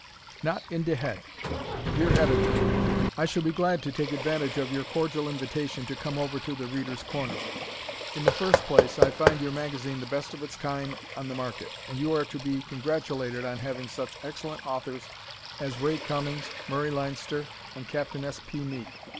Not in de Head!! Dear Editor: I shall be glad to take advantage of your cordial invitation to come over to "The Readers' Corner." In the first place, I find your magazine the best of its kind on the market, and you are to be congratulated on having such excellent authors as Ray Cummings, Murray Leinster and Captain S. P. Meek.